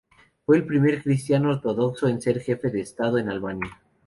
Fue el primer cristiano ortodoxo en ser jefe de Estado en Albania.